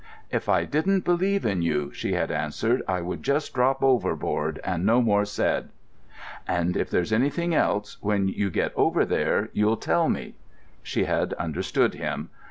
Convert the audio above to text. "If I didn't believe in you," she had answered, "I would just drop overboard, and no more said."... "And if there's anything else, when you get over there, you'll tell me?" She had understood him....